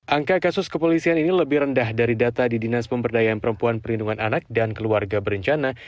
angka kasus kepolisian ini lebih rendah dari data di dinas pemberdayaan perempuan perlindungan anak dan keluarga berencana